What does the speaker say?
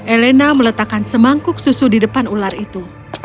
elena meletakkan semangkuk susu di depan ular itu